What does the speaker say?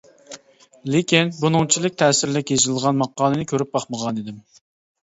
لېكىن، بۇنىڭچىلىك تەسىرلىك يېزىلغان ماقالىنى كۆرۈپ باقمىغانىدىم.